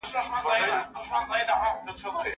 زه باید خپلو ملګرو ته پیغام ولیږم.